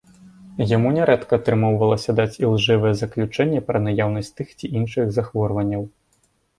Яму нярэдка атрымоўвалася даць ілжывае заключэнне пра наяўнасць тых ці іншых захворванняў.